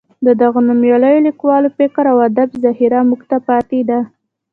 د دغو نومیالیو لیکوالو فکر او ادب ذخیره موږ ته پاتې ده.